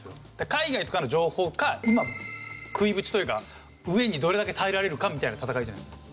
海外とかの情報か今食いぶちというか飢えにどれだけ耐えられるかみたいな戦いじゃないか。